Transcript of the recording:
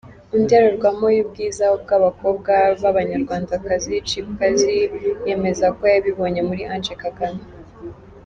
Indorerwamo y'ubwiza bw'abakobwa b'abanyarwandakazi, Chipukizzy yemeza ko yabibonye muri Ange Kagame.